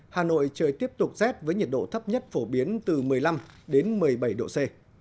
hà nội trời tiếp tục rét với nhiệt độ thấp nhất phổ biến từ một mươi năm đến một mươi bảy độ c